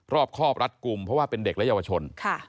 รอบครอบรัดกลุ่มเพราะว่าเป็นเด็กและเยาวชน